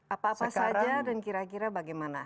apa apa saja dan kira kira bagaimana